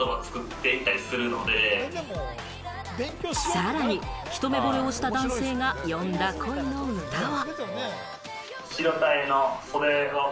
さらに、一目ぼれをした男性が詠んだ恋の歌は。